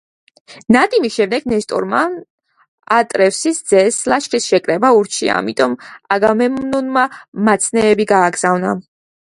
ნადიმის შემდეგ ნესტორმა ატრევსის ძეს, ლაშქრის შეკრება ურჩია, ამიტომაც აგამემნონმა მაცნეები გააგზავნა.